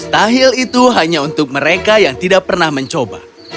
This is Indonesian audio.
tahil itu hanya untuk mereka yang tidak pernah mencoba